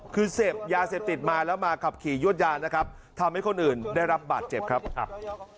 คือเสพยาเสพติดมาแล้วมาขับขี่ยวดยานนะครับทำให้คนอื่นได้รับบาดเจ็บครับครับ